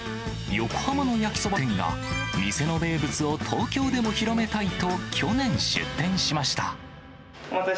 横浜の焼きそば店が、店の名物を東京でも広めたいと去年、出店しました。